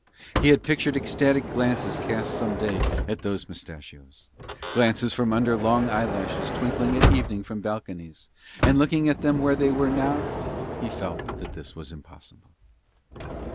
He had pictured ecstatic glances cast some day at those moustachios, glances from under long eyelashes twinkling at evening from balconies; and looking at them where they were now, he felt that this was impossible.